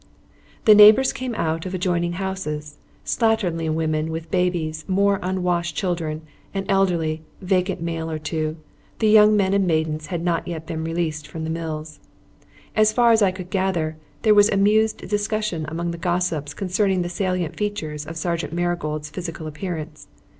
The neighbours came out of adjoining houses; slatternly women with babies, more unwashed children, an elderly, vacant male or two the young men and maidens had not yet been released from the mills. As far as I could gather, there was amused discussion among the gossips concerning the salient features of Sergeant Marigold's physical appearance.